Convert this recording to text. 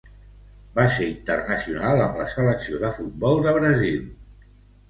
Va ser internacional amb la selecció de futbol de Brasil.